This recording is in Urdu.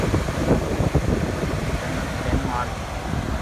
ڈنمارک